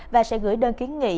và sẽ gửi đơn kiến nghị